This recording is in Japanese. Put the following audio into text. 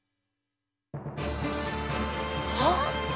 あっ！